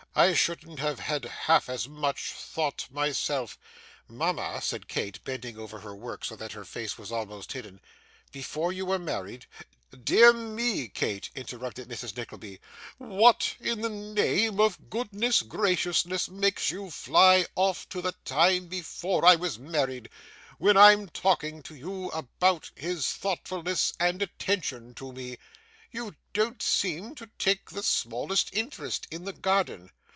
I shouldn't have had half as much thought myself!' 'Mama,' said Kate, bending over her work so that her face was almost hidden, 'before you were married ' 'Dear me, Kate,' interrupted Mrs. Nickleby, 'what in the name of goodness graciousness makes you fly off to the time before I was married, when I'm talking to you about his thoughtfulness and attention to me? You don't seem to take the smallest interest in the garden.